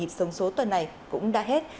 nhịp sống số tuần này cũng đã hết